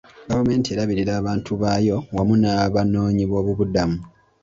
Gavumenti erabirira abantu baayo wamu n'abanoonyiboobudamu.